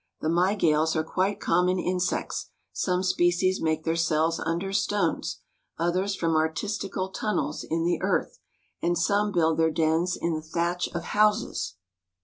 The Mygales are quite common insects: some species make their cells under stones, others form artistical tunnels in the earth, and some build their dens in the thatch of houses.